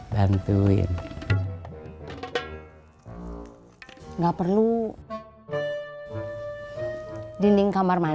jam segini udah buka